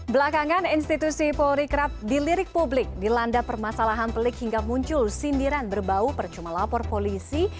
belakangan institusi polri kerap dilirik publik dilanda permasalahan pelik hingga muncul sindiran berbau percuma lapor polisi